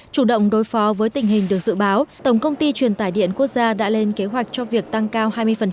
chủ động đối phó với tình hình được dự báo tổng công ty truyền tải điện quốc gia đã lên kế hoạch cho việc tăng cao hai mươi